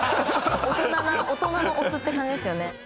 大人な大人のお酢って感じですよね。